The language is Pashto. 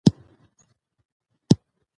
مثبت منځپانګه د ټولنې نږدې کولو وسیله ده.